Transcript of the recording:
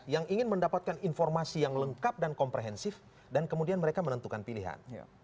yang ingin mendapatkan informasi yang lengkap dan komprehensif dan kemudian mereka menentukan pilihan